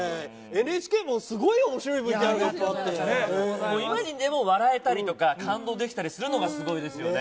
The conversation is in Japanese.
ＮＨＫもすごいおもしろいＶＴＲ今にでも笑えたりとか、感動できたりするのがすごいですよね。